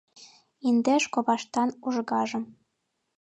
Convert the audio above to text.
Индеш коваштан ужгажым